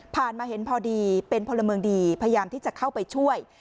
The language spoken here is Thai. มาเห็นพอดีเป็นพลเมืองดีพยายามที่จะเข้าไปช่วย